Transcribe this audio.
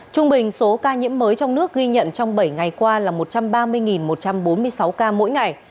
trung bình số ca nhiễm mới trong nước ghi nhận trong bảy ngày qua là một trăm ba mươi một trăm bốn mươi sáu ca mỗi ngày